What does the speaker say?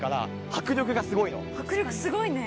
迫力すごいね。